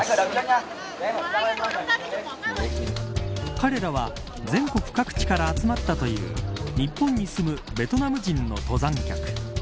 彼らは全国各地から集まったという日本に住むベトナム人の登山客。